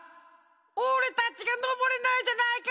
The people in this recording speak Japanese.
おれたちがのぼれないじゃないか！